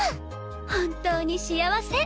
本当に幸せ。